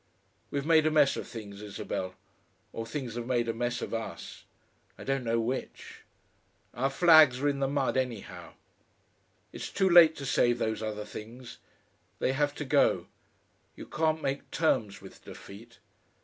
"We've made a mess of things, Isabel or things have made a mess of us. I don't know which. Our flags are in the mud, anyhow. It's too late to save those other things! They have to go. You can't make terms with defeat.